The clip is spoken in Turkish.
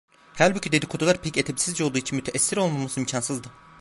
Halbuki dedikodular pek edepsizce olduğu için müteessir olmaması imkansızdı.